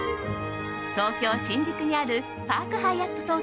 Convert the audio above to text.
東京・新宿にあるパークハイアット